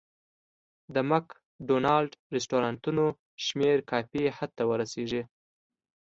د مک ډونالډ رستورانتونو شمېر کافي حد ته ورسېږي.